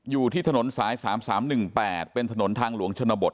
อยู่ที่ถนนสายสามสามหนึ่งแปดเป็นถนนทางหลวงชนบท